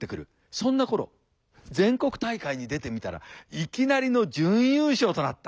そんな頃全国大会に出てみたらいきなりの準優勝となった。